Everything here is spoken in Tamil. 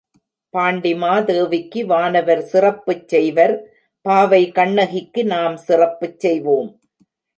பாண்டிமா தேவிக்கு வானவர் சிறப்புச் செய்வர் பாவை கண்ணகிக்கு நாம் சிறப்புச் செய்வோம்.